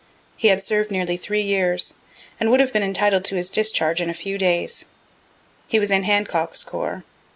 He had serv'd nearly three years, and would have been entitled to his discharge in a few days. He was in Hancock's corps.